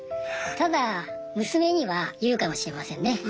ただ娘には言うかもしれませんね。